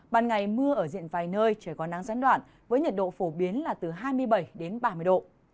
ban ngày mưa ở diện vài nơi trời có nắng gián đoạn với nhiệt độ phổ biến là từ hai mươi bảy đến ba mươi độ